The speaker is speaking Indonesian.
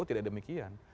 oh tidak demikian